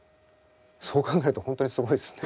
そう考えると本当にすごいっすね。